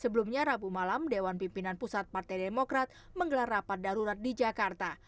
sebelumnya rabu malam dewan pimpinan pusat partai demokrat menggelar rapat darurat di jakarta